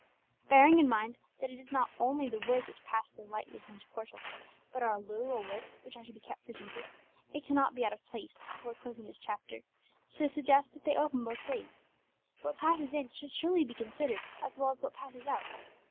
Bearing in mind that it is not only the words which pass their lightly hinged portal, but our literal lips which are to be kept for Jesus, it cannot be out of place, before closing this chapter, to suggest that they open both ways. What passes in should surely be considered as well as what passes out.